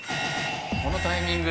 このタイミングで？